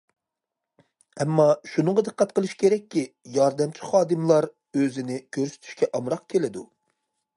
ئەمما، شۇنىڭغا دىققەت قىلىش كېرەككى، ياردەمچى خادىملار ئۆزىنى كۆرسىتىشكە ئامراق كېلىدۇ.